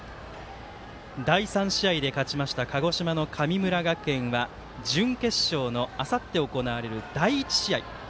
第３試合で勝ちました鹿児島の神村学園は準決勝のあさって行われる第１試合。